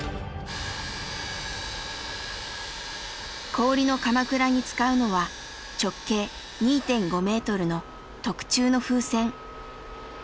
氷のかまくらに使うのは直径２．５メートルの特注の風船。